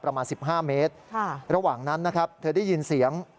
ประมาณ๑๕เมตรระหว่างนั้นนะครับเธอได้ยินเสียง